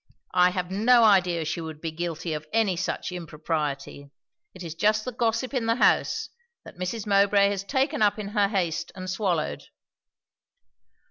I have no idea she would be guilty of any such impropriety. It is just the gossip in the house, that Mrs. Mowbray has taken up in her haste and swallowed."